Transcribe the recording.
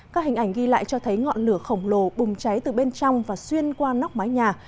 các hình ảnh ghi lại cho thấy ngọn lửa khổng lồ bùng cháy từ bên trong và xuyên qua nóc mái nhà